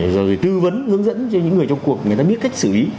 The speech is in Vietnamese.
rồi tư vấn hướng dẫn cho những người trong cuộc người ta biết cách xử lý